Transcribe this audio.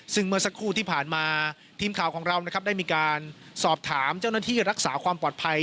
ซึ่งเมื่อสักครู่ที่ผ่านมาทีมข่าวของเรานะครับได้มีการสอบถามเจ้าหน้าที่รักษาความปลอดภัย